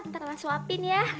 ntar lana suapin ya